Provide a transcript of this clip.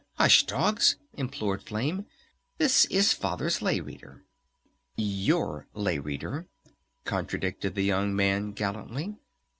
Hush, Dogs!" implored Flame. "This is Father's Lay Reader!" "Your Lay Reader!" contradicted the young man gallantly.